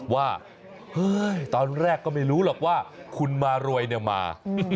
ว่าเฮ้ยตอนแรกก็ไม่รู้หรอกว่าคุณมารวยเนี่ยมา